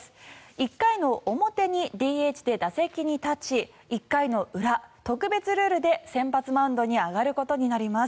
１回の表にＤＨで打席に立ち１回の裏、特別ルールで先発マウンドに上がることになります。